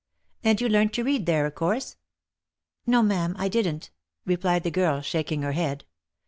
" And you learnt to read there of course?" " No, ma'am, I didn't;" replied the girl, shaking her head.